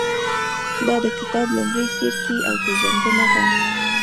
دا د کتاب لومړی څپرکی او پېژندنه ده.